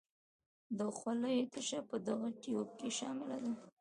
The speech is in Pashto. د خولې تشه په دغه تیوپ کې شامله ده.